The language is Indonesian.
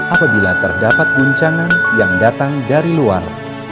apabila terdapat guncangan yang datang dari luar